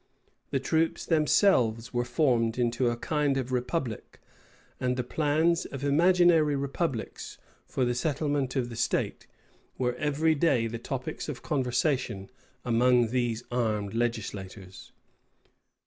The troops themselves were formed into a kind of republic; and the plans of imaginary republics, for the settlement of the state, were every day the topics of conversation among these armed legislators.